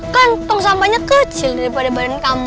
kan tong sampahnya kecil daripada badan kamu